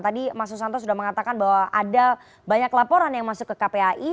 tadi mas susanto sudah mengatakan bahwa ada banyak laporan yang masuk ke kpai